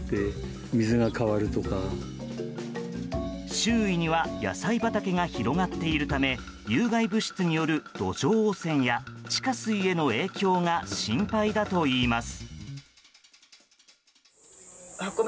周囲には野菜畑が広がっているため有害物質による土壌汚染や地下水への影響が心配だといいます。